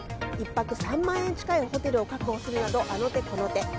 １泊３万円近いホテルを確保するなどあの手この手。